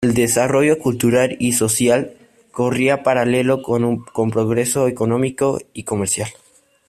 El desarrollo cultural y social corría paralelo con progreso económico y comercial.